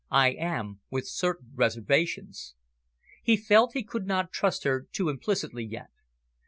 "I am with certain reservations." He felt he could not trust her too implicitly yet.